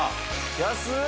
安っ！